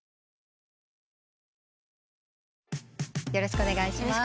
よろしくお願いします。